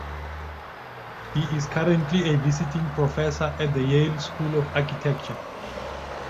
He is currently a visiting professor at the Yale School of Architecture.